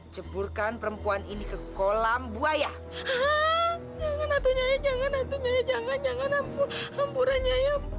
ceburkan perempuan ini ke kolam buaya